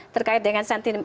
terkait dengan sentimen